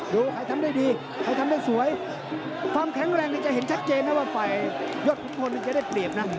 ใครทำได้ดีใครทำได้สวยความแข็งแรงนี่จะเห็นชัดเจนนะว่าฝ่ายยอดขุนพลจะได้เปรียบนะ